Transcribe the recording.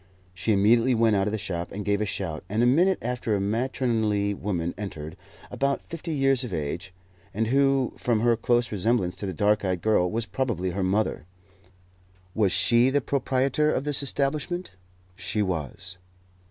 She immediately went out of the shop and gave a shout, and a minute after a matronly woman entered, about fifty years of age, and who, from her close resemblance to the dark eyed girl, was probably her mother. Was she the proprietor of this establishment? She was.